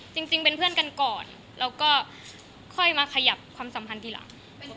จริงเป็นเพื่อนกันก่อนแล้วก็ค่อยมาขยับความสัมพันธ์ทีหลัง